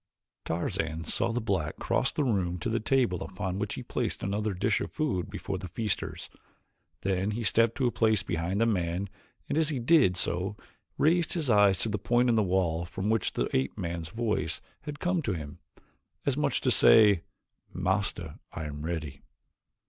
Tarzan saw the black cross the room to the table upon which he placed another dish of food before the feasters. Then he stepped to a place behind the man and as he did so raised his eyes to the point in the wall from which the ape man's voice had come to him, as much as to say, "Master, I am ready."